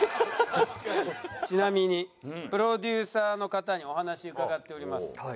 ちなみにプロデューサーの方にお話伺っております。